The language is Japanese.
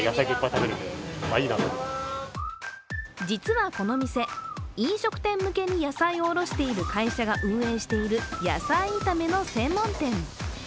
実はこの店、飲食店向けに野菜を卸している会社が運営している野菜炒めの専門店。